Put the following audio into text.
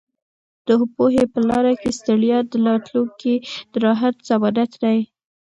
د پوهې په لاره کې ستړیا د راتلونکي د راحت ضمانت دی.